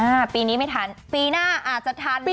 ปีนี้ไม่ทันปีหน้าอาจจะทัน